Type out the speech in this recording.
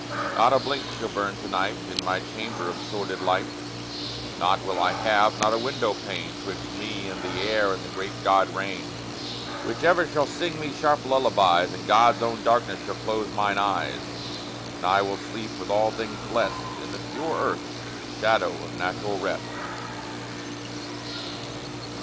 Not a blink shall burn to night In my chamber, of sordid light; Nought will I have, not a window pane, 'Twixt me and the air and the great good rain, Which ever shall sing me sharp lullabies; And God's own darkness shall close mine eyes; And I will sleep, with all things blest, In the pure earth shadow of natural rest.